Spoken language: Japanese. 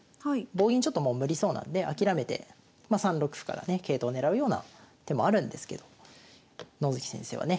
棒銀ちょっともう無理そうなので諦めてま３六歩からね桂頭を狙うような手もあるんですけど野月先生はね